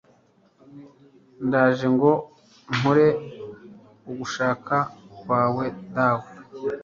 ndaje ngo nkore ugushaka kwawe dawe